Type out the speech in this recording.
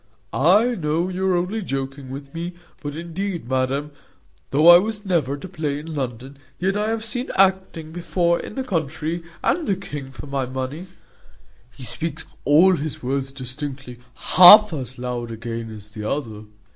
I know you are only joking with me; but indeed, madam, though I was never at a play in London, yet I have seen acting before in the country; and the king for my money; he speaks all his words distinctly, half as loud again as the other.